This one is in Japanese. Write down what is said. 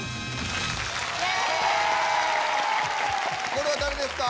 これは誰ですか？